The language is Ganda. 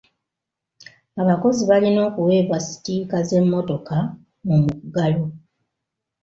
Abakozi balina okuweebwa sitiika z'emmotoka mu muggalo.